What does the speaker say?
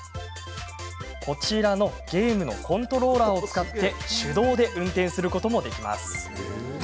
こちらのゲームのコントローラーを使って手動で運転することもできます。